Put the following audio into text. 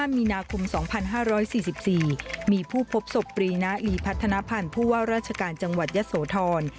มีผู้พบศพปรีนาอีพัฒนภัณฑ์ผู้ว่าราชการจังหวัดยทศโทรน